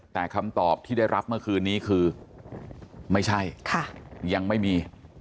แต่คำตอบที่ได้รับเมื่อคืนนี้คือไม่ใช่ยังไม่มี